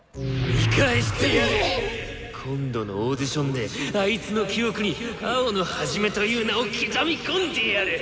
今度のオーディションであいつの記憶に青野一という名を刻み込んでやる！